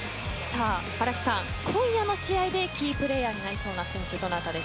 荒木さん、今夜の試合でキープレーヤーになりそうな選手